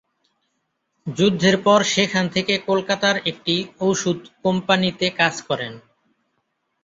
যুদ্ধের পর সেখান থেকে কলকাতার একটি ওষুধ কোম্পানিতে কাজ করেন।